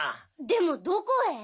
でもどこへ？